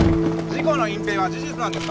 事故の隠蔽は事実なんですか？